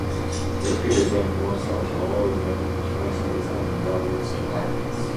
You feel them most of all in the characters' unbridgeable silences.